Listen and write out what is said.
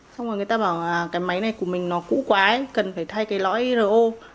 xong rồi người ta bảo là cái máy này của mình nó cũ quá ấy cần phải thay cái lõi ro